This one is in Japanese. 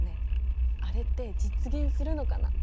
あれって実現するのかな？